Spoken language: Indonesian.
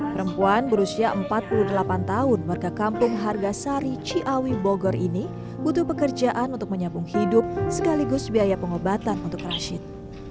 perempuan berusia empat puluh delapan tahun warga kampung hargasari ciawi bogor ini butuh pekerjaan untuk menyambung hidup sekaligus biaya pengobatan untuk rashid